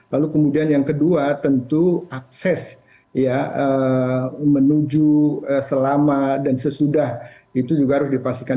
lalu kemudian yang kedua tentu akses ya menuju selama dan sesudah itu juga harus dipastikan